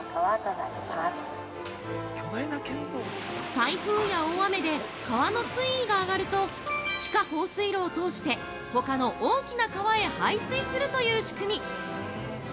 ◆台風や大雨で川の水位が上がると地下放水路を通してほかの大きな川へ排水するという仕組み。